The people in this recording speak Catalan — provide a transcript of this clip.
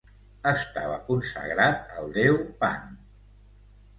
Estava consagrat al deu Pan.